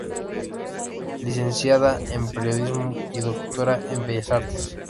Licenciada en periodismo y doctora en bellas artes.